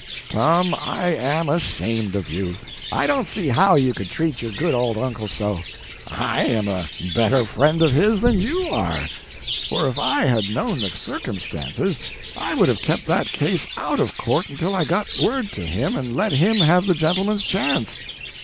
"Tom, I am ashamed of you! I don't see how you could treat your good old uncle so. I am a better friend of his than you are; for if I had known the circumstances I would have kept that case out of court until I got word to him and let him have a gentleman's chance."